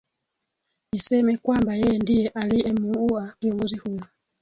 iseme kwamba yeye ndie aliemuua kiongozi huyo